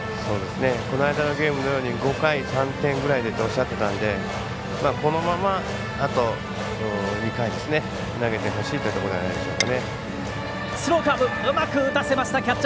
この間のゲームのように５回３点ぐらいでっておっしゃってたんでこのままあと２回投げていってほしいというところじゃないでしょうか。